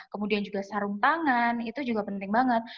kemudian juga sarung tangan itu juga penting banget